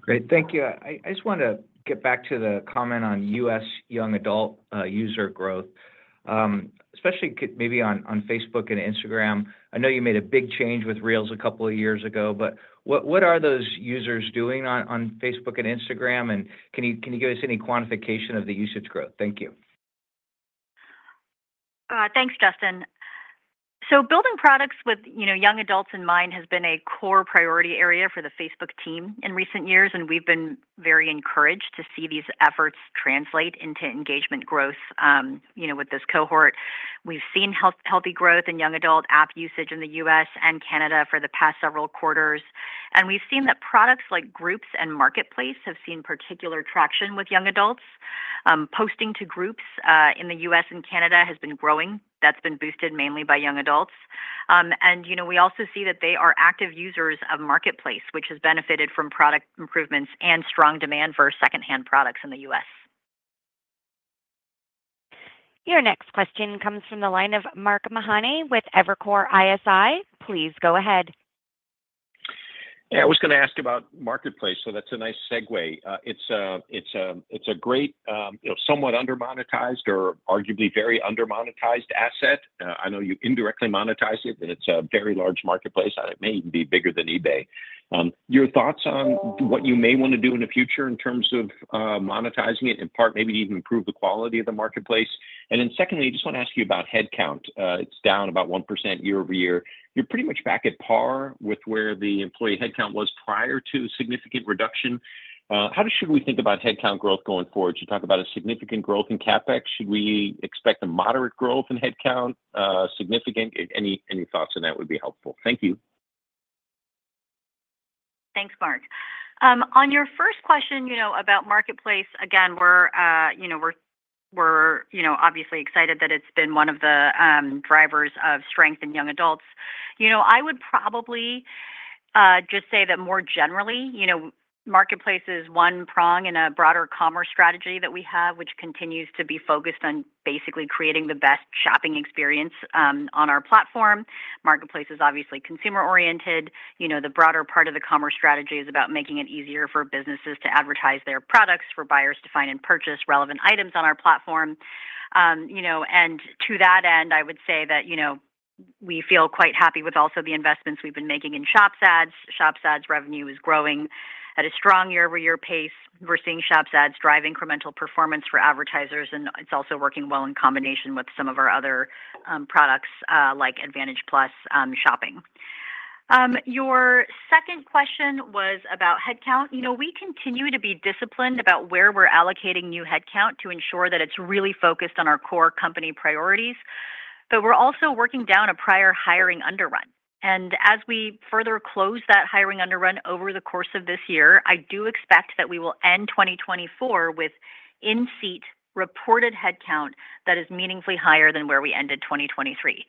Great. Thank you. I just want to get back to the comment on U.S. young adult user growth, especially maybe on Facebook and Instagram. I know you made a big change with Reels a couple of years ago, but what are those users doing on Facebook and Instagram? And can you give us any quantification of the usage growth? Thank you. Thanks, Justin. So building products with young adults in mind has been a core priority area for the Facebook team in recent years, and we've been very encouraged to see these efforts translate into engagement growth with this cohort. We've seen healthy growth in young adult app usage in the U.S. and Canada for the past several quarters. We've seen that products like Groups and Marketplace have seen particular traction with young adults. Posting to Groups in the U.S. and Canada has been growing. That's been boosted mainly by young adults. We also see that they are active users of Marketplace, which has benefited from product improvements and strong demand for secondhand products in the U.S. Your next question comes from the line of Mark Mahaney with Evercore ISI. Please go ahead. Yeah. I was going to ask about Marketplace, so that's a nice segue. It's a great, somewhat undermonetized or arguably very undermonetized asset. I know you indirectly monetize it, and it's a very large marketplace, and it may even be bigger than eBay. Your thoughts on what you may want to do in the future in terms of monetizing it, in part, maybe even improve the quality of the marketplace? And then secondly, I just want to ask you about headcount. It's down about 1% year-over-year. You're pretty much back at par with where the employee headcount was prior to significant reduction. How should we think about headcount growth going forward? You talk about a significant growth in CapEx. Should we expect a moderate growth in headcount? Significant? Any thoughts on that would be helpful. Thank you. Thanks, Mark. On your first question about Marketplace, again, we're obviously excited that it's been one of the drivers of strength in young adults. I would probably just say that more generally, Marketplace is one prong in a broader commerce strategy that we have, which continues to be focused on basically creating the best shopping experience on our platform. Marketplace is obviously consumer-oriented. The broader part of the commerce strategy is about making it easier for businesses to advertise their products, for buyers to find and purchase relevant items on our platform. And to that end, I would say that we feel quite happy with also the investments we've been making in Shops ads. Shops ads revenue is growing at a strong year-over-year pace. We're seeing Shops ads drive incremental performance for advertisers, and it's also working well in combination with some of our other products like Advantage+ shopping. Your second question was about headcount. We continue to be disciplined about where we're allocating new headcount to ensure that it's really focused on our core company priorities, but we're also working down a prior hiring underrun. And as we further close that hiring underrun over the course of this year, I do expect that we will end 2024 with in-seat reported headcount that is meaningfully higher than where we ended 2023.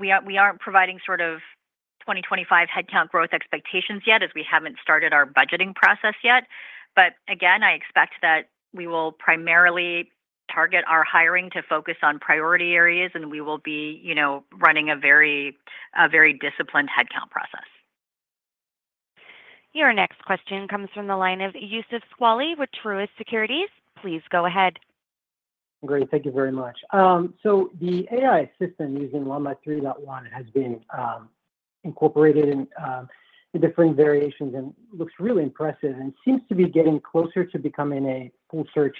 We aren't providing sort of 2025 headcount growth expectations yet as we haven't started our budgeting process yet. But again, I expect that we will primarily target our hiring to focus on priority areas, and we will be running a very disciplined headcount process. Your next question comes from the line of Youssef Squali with Truist Securities. Please go ahead. Great. Thank you very much. So the AI assistant using Llama 3.1 has been incorporated in different variations and looks really impressive and seems to be getting closer to becoming a full search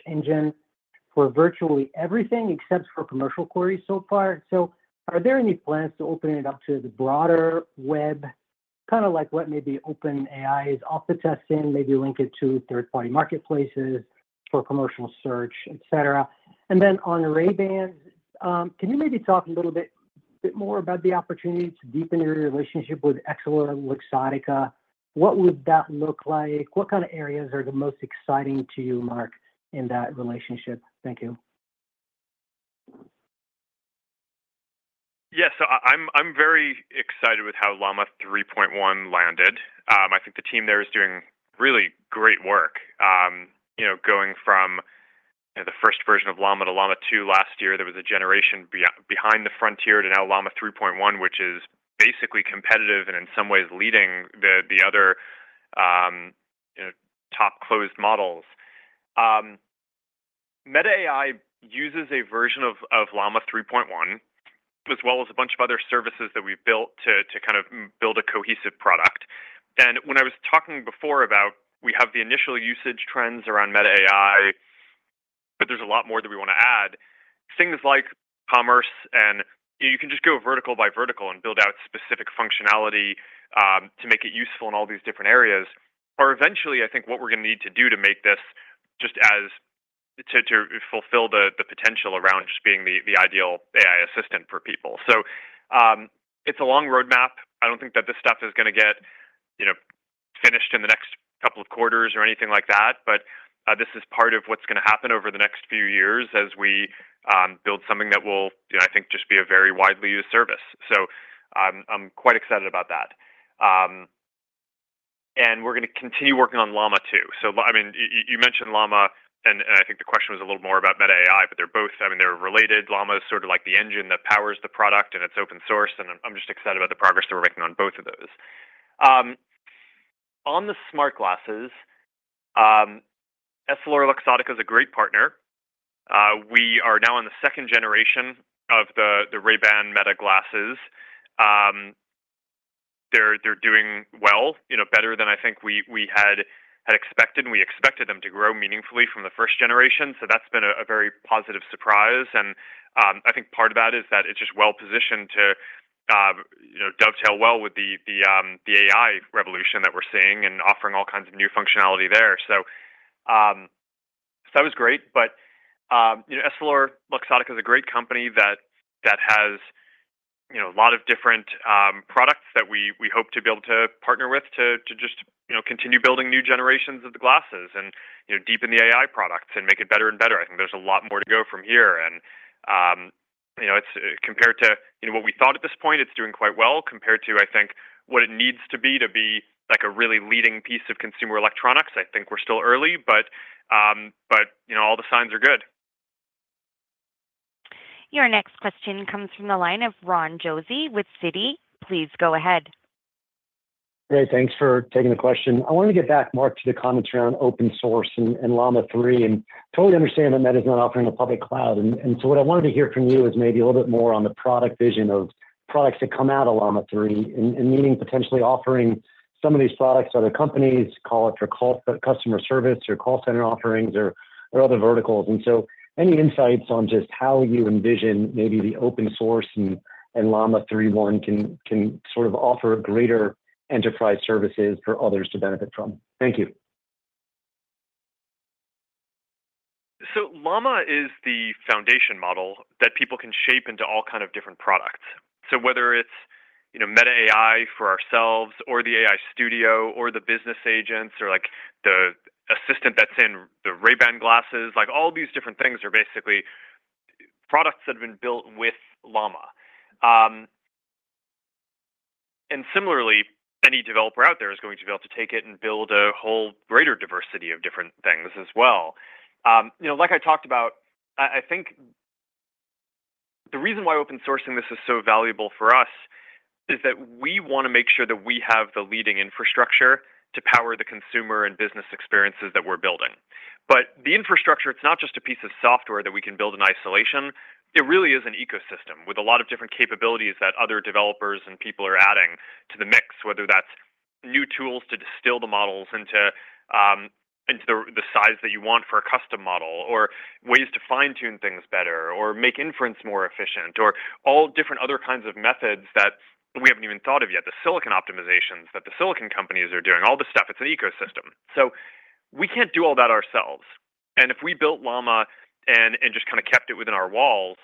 engine for virtually everything except for commercial queries so far. So are there any plans to open it up to the broader web, kind of like what maybe OpenAI is off the testing, maybe link it to third-party marketplaces for commercial search, etc.? And then on Ray-Bans, can you maybe talk a little bit more about the opportunity to deepen your relationship with EssilorLuxottica? What would that look like? What kind of areas are the most exciting to you, Mark, in that relationship? Thank you. Yes. So I'm very excited with how Llama 3.1 landed. I think the team there is doing really great work. Going from the first version of Llama to Llama 2 last year, there was a generation behind the frontier to now Llama 3.1, which is basically competitive and in some ways leading the other top closed models. Meta AI uses a version of Llama 3.1 as well as a bunch of other services that we've built to kind of build a cohesive product. When I was talking before about we have the initial usage trends around Meta AI, but there's a lot more that we want to add, things like commerce, and you can just go vertical by vertical and build out specific functionality to make it useful in all these different areas, or eventually, I think what we're going to need to do to make this just as to fulfill the potential around just being the ideal AI assistant for people. So it's a long roadmap. I don't think that this stuff is going to get finished in the next couple of quarters or anything like that, but this is part of what's going to happen over the next few years as we build something that will, I think, just be a very widely used service. So I'm quite excited about that. And we're going to continue working on Llama 2. So I mean, you mentioned Llama, and I think the question was a little more about Meta AI, but they're both, I mean, they're related. Llama is sort of like the engine that powers the product, and it's open source, and I'm just excited about the progress that we're making on both of those. On the smart glasses, EssilorLuxottica is a great partner. We are now on the second generation of the Ray-Ban Meta glasses. They're doing well, better than I think we had expected. We expected them to grow meaningfully from the first generation, so that's been a very positive surprise. And I think part of that is that it's just well-positioned to dovetail well with the AI revolution that we're seeing and offering all kinds of new functionality there. So that was great. But EssilorLuxottica is a great company that has a lot of different products that we hope to be able to partner with to just continue building new generations of the glasses and deepen the AI products and make it better and better. I think there's a lot more to go from here. And compared to what we thought at this point, it's doing quite well compared to, I think, what it needs to be to be a really leading piece of consumer electronics. I think we're still early, but all the signs are good. Your next question comes from the line of Ron Josey with Citi. Please go ahead. Great. Thanks for taking the question. I wanted to get back, Mark, to the comments around open source and Llama 3. And totally understand that Meta is not offering a public cloud. And so what I wanted to hear from you is maybe a little bit more on the product vision of products that come out of Llama 3 and meaning potentially offering some of these products to other companies, call it for customer service or call center offerings or other verticals. And so any insights on just how you envision maybe the open source and Llama 3.1 can sort of offer greater enterprise services for others to benefit from? Thank you. So Llama is the foundation model that people can shape into all kinds of different products. So whether it's Meta AI for ourselves or the AI Studio or the business agents or the assistant that's in the Ray-Ban glasses, all these different things are basically products that have been built with Llama. And similarly, any developer out there is going to be able to take it and build a whole greater diversity of different things as well. Like I talked about, I think the reason why open sourcing this is so valuable for us is that we want to make sure that we have the leading infrastructure to power the consumer and business experiences that we're building. But the infrastructure, it's not just a piece of software that we can build in isolation. It really is an ecosystem with a lot of different capabilities that other developers and people are adding to the mix, whether that's new tools to distill the models into the size that you want for a custom model, or ways to fine-tune things better, or make inference more efficient, or all different other kinds of methods that we haven't even thought of yet, the silicon optimizations that the silicon companies are doing, all the stuff. It's an ecosystem. So we can't do all that ourselves. And if we built Llama and just kind of kept it within our walls,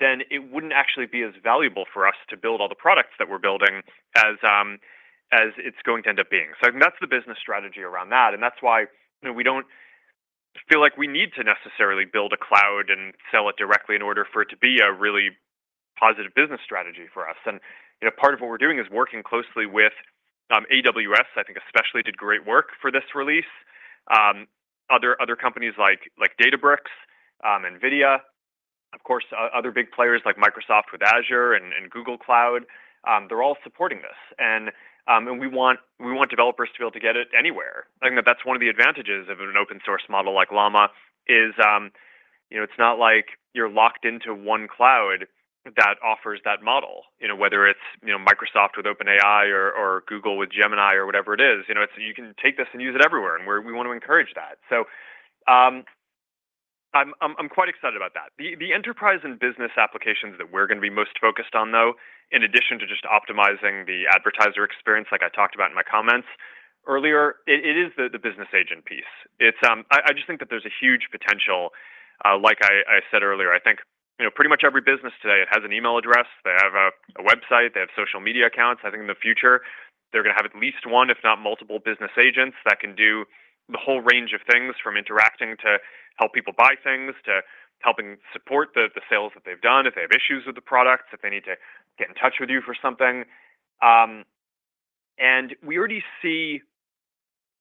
then it wouldn't actually be as valuable for us to build all the products that we're building as it's going to end up being. So I think that's the business strategy around that. That's why we don't feel like we need to necessarily build a cloud and sell it directly in order for it to be a really positive business strategy for us. Part of what we're doing is working closely with AWS. I think especially [they] did great work for this release. Other companies like Databricks, NVIDIA, of course, other big players like Microsoft with Azure and Google Cloud, they're all supporting this. We want developers to be able to get it anywhere. I think that that's one of the advantages of an open-source model like Llama is it's not like you're locked into one cloud that offers that model, whether it's Microsoft with OpenAI or Google with Gemini or whatever it is. You can take this and use it everywhere, and we want to encourage that. So I'm quite excited about that. The enterprise and business applications that we're going to be most focused on, though, in addition to just optimizing the advertiser experience like I talked about in my comments earlier, it is the business agent piece. I just think that there's a huge potential. Like I said earlier, I think pretty much every business today has an email address. They have a website. They have social media accounts. I think in the future, they're going to have at least one, if not multiple business agents that can do the whole range of things from interacting to help people buy things to helping support the sales that they've done if they have issues with the products, if they need to get in touch with you for something. We already see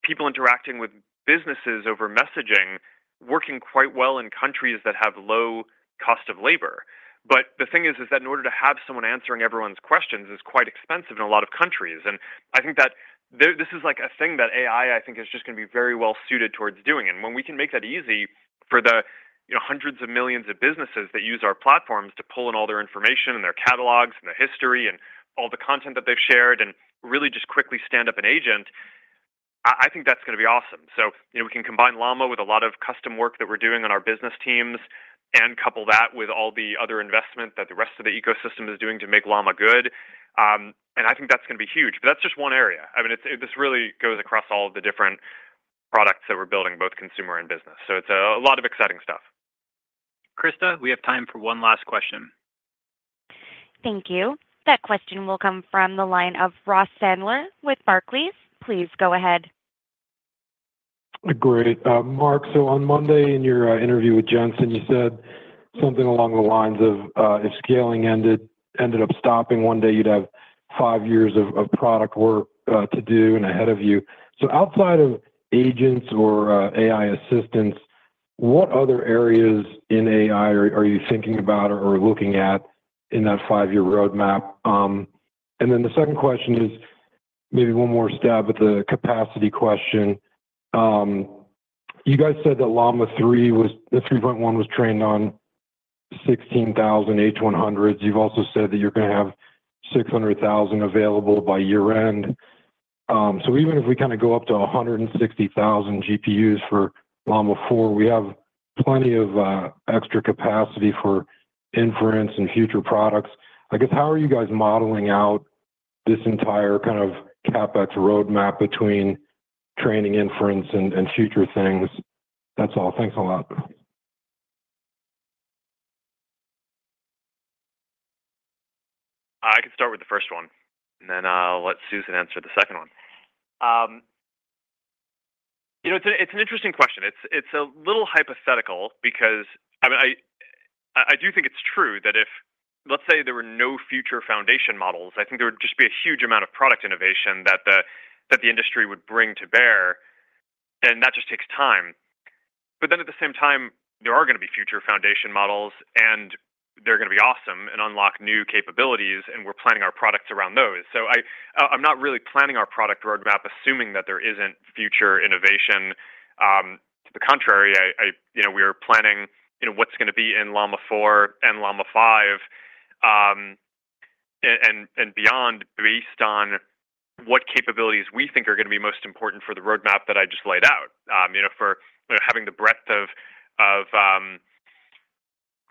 people interacting with businesses over messaging working quite well in countries that have low cost of labor. But the thing is that in order to have someone answering everyone's questions is quite expensive in a lot of countries. And I think that this is a thing that AI, I think, is just going to be very well suited towards doing. And when we can make that easy for the hundreds of millions of businesses that use our platforms to pull in all their information and their catalogs and their history and all the content that they've shared and really just quickly stand up an agent, I think that's going to be awesome. So we can combine Llama with a lot of custom work that we're doing on our business teams and couple that with all the other investment that the rest of the ecosystem is doing to make Llama good. And I think that's going to be huge. But that's just one area. I mean, this really goes across all of the different products that we're building, both consumer and business. So it's a lot of exciting stuff. Krista, we have time for one last question. Thank you. That question will come from the line of Ross Sandler with Barclays. Please go ahead. Great. Mark, so on Monday in your interview with Jensen, you said something along the lines of if scaling ended up stopping one day, you'd have five years of product work to do and ahead of you. So outside of agents or AI assistants, what other areas in AI are you thinking about or looking at in that five-year roadmap? And then the second question is maybe one more stab at the capacity question. You guys said that Llama 3, the 3.1, was trained on 16,000 H100s. You've also said that you're going to have 600,000 available by year-end. So even if we kind of go up to 160,000 GPUs for Llama 4, we have plenty of extra capacity for inference and future products. I guess, how are you guys modeling out this entire kind of CapEx roadmap between training, inference, and future things? That's all. Thanks a lot. I can start with the first one, and then I'll let Susan answer the second one. It's an interesting question. It's a little hypothetical because I do think it's true that if, let's say, there were no future foundation models, I think there would just be a huge amount of product innovation that the industry would bring to bear, and that just takes time. But then at the same time, there are going to be future foundation models, and they're going to be awesome and unlock new capabilities, and we're planning our products around those. I'm not really planning our product roadmap assuming that there isn't future innovation. To the contrary, we are planning what's going to be in Llama 4 and Llama 5 and beyond based on what capabilities we think are going to be most important for the roadmap that I just laid out. For having the breadth of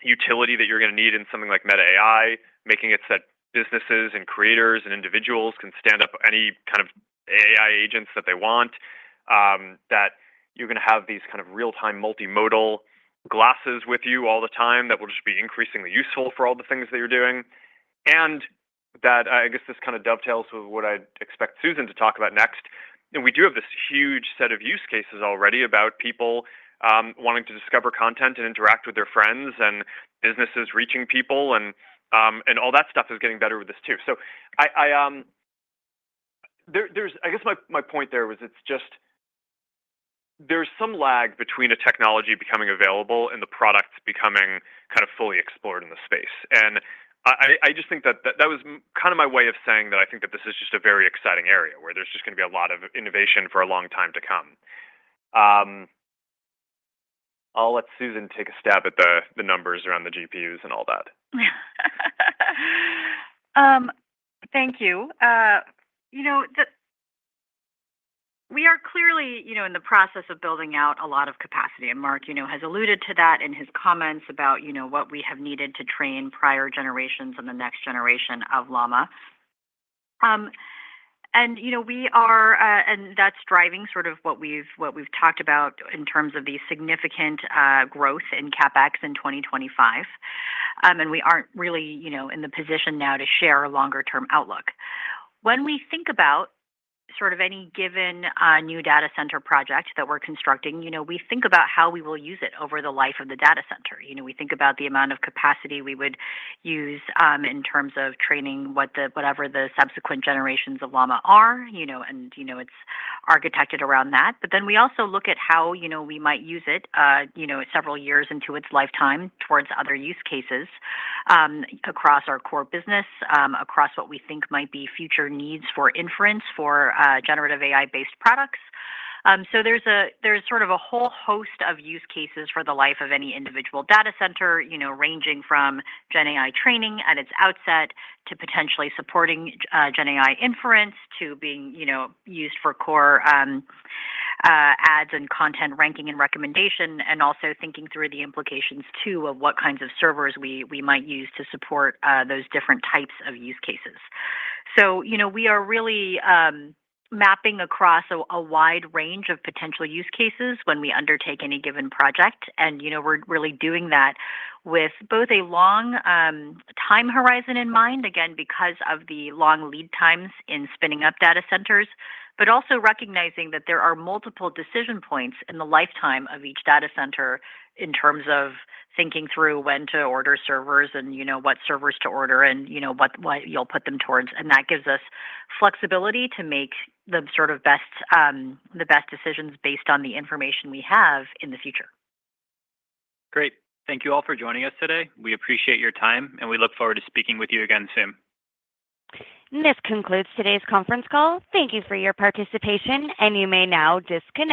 utility that you're going to need in something like Meta AI, making it so that businesses and creators and individuals can stand up any kind of AI agents that they want, that you're going to have these kind of real-time multimodal glasses with you all the time that will just be increasingly useful for all the things that you're doing. I guess this kind of dovetails with what I'd expect Susan to talk about next. We do have this huge set of use cases already about people wanting to discover content and interact with their friends and businesses reaching people, and all that stuff is getting better with this too. So I guess my point there was it's just there's some lag between a technology becoming available and the products becoming kind of fully explored in the space. And I just think that that was kind of my way of saying that I think that this is just a very exciting area where there's just going to be a lot of innovation for a long time to come. I'll let Susan take a stab at the numbers around the GPUs and all that. Thank you. We are clearly in the process of building out a lot of capacity. Mark has alluded to that in his comments about what we have needed to train prior generations and the next generation of Llama. That's driving sort of what we've talked about in terms of the significant growth in CapEx in 2025. We aren't really in the position now to share a longer-term outlook. When we think about sort of any given new data center project that we're constructing, we think about how we will use it over the life of the data center. We think about the amount of capacity we would use in terms of training whatever the subsequent generations of Llama are, and it's architected around that. But then we also look at how we might use it several years into its lifetime towards other use cases across our core business, across what we think might be future needs for inference for generative AI-based products. So there's sort of a whole host of use cases for the life of any individual data center, ranging from GenAI training at its outset to potentially supporting GenAI inference to being used for core ads and content ranking and recommendation, and also thinking through the implications too of what kinds of servers we might use to support those different types of use cases. So we are really mapping across a wide range of potential use cases when we undertake any given project. And we're really doing that with both a long time horizon in mind, again, because of the long lead times in spinning up data centers, but also recognizing that there are multiple decision points in the lifetime of each data center in terms of thinking through when to order servers and what servers to order and what you'll put them towards. That gives us flexibility to make the best decisions based on the information we have in the future. Great. Thank you all for joining us today. We appreciate your time, and we look forward to speaking with you again soon. This concludes today's conference call. Thank you for your participation, and you may now disconnect.